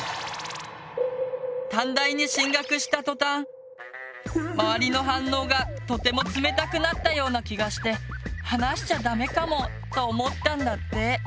短大に進学した途端周りの反応がとても冷たくなったような気がして話しちゃダメかも？と思ったんだって。